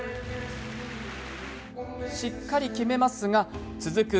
しっかり決めますが続く